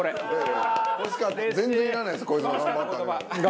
全然いらないっすこいつの「頑張ったね」は。